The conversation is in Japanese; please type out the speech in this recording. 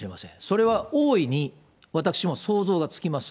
それは大いに私も想像がつきます。